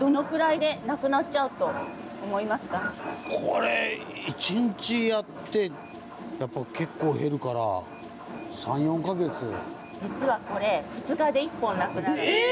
これ一日やってやっぱ結構減るから実はこれえ！